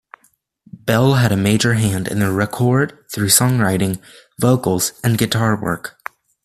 Bell had a major hand in the record through songwriting, vocals, and guitar work.